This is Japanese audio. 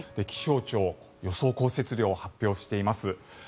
気象庁予想降雪量を発表しています。